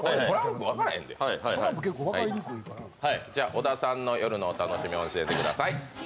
小田さんの夜のお楽しみ教えてください。